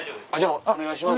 お願いします。